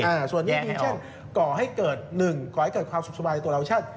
อย่างนี้ออกให้เกิดความสบายในตัวเรา